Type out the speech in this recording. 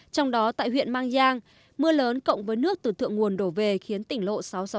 trong đó tại huyện mang giang mưa lớn cộng với nước từ thượng nguồn đổ về khiến tỉnh lộ sáu trăm sáu mươi